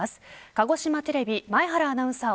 鹿児島テレビ前原アナウンサー